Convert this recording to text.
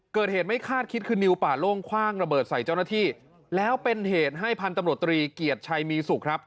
เกิดเหตุไม่คาดคิดคือนิวป่าโล่งคว่างระเบิดใส่เจ้าหน้าที่แล้วเป็นเหตุให้พันธุ์ตำรวจตรีเกียรติชัยมีสุขครับ